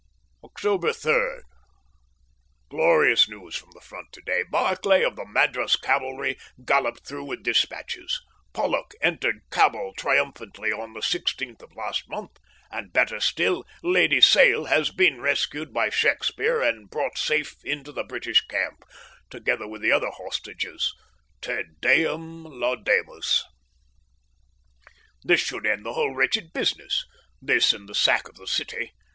October 3. Glorious news from the Front today. Barclay, of the Madras Cavalry, galloped through with dispatches. Pollock entered Cabul triumphantly on the 16th of last month, and, better still, Lady Sale has been rescued by Shakespear, and brought safe into the British camp, together with the other hostages. Te Deum laudamus! This should end the whole wretched business this and the sack of the city.